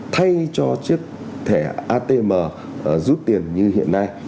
thay cho chiếc thẻ atm rút tiền như hiện nay